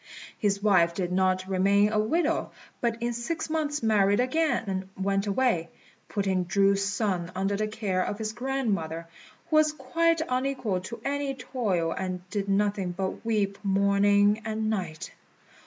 His wife did not remain a widow, but in six months married again and went away, putting Chu's son under the care of his grandmother, who was quite unequal to any toil, and did nothing but weep morning and night.